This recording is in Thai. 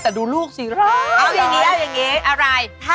แต่ดูลูกสิร้าย